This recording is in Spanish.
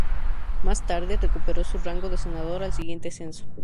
Más tarde recuperó su rango de senador al siguiente censo.